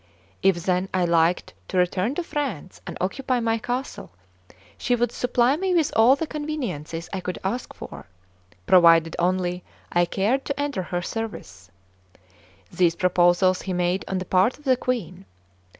If, then, I liked to return to France and occupy my castle, she would supply me with all the conveniences I could ask for, provided only I cared to enter her service. These proposals he made on the part of the Queen.